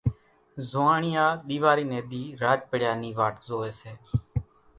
زوئاڻيا ۮيواري ني ۮي راچ پڙيا نِي واٽ زوئي سي